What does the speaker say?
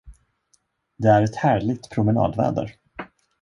Det är ett härligt promenadväder.